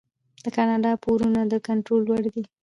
د کاناډا پورونه د کنټرول وړ دي.